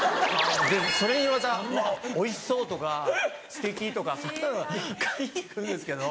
それにまた「おいしそう」とか「すてき」とかそんなのが返って来るんですけど。